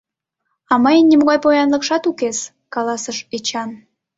— А мыйын нимогай поянлыкшат укес, — каласыш Эчан.